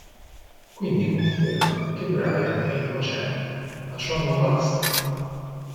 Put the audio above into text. Quindi conferma che Brian è innocente ma ciò non basta.